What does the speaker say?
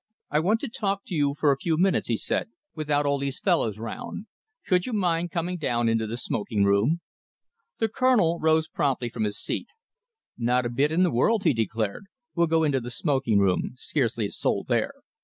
"I want to talk to you for a few minutes," he said, "without all these fellows round. Should you mind coming down into the smoking room?" The Colonel rose promptly from his seat. "Not a bit in the world," he declared. "We'll go into the smoking room. Scarcely a soul there.